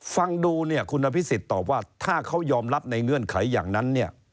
ฟังดูคุณนพิษศิษฐ์ตอบว่าถ้าเขายอมรับในเงื่อนไขอย่างนั้น